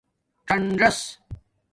څَنژاس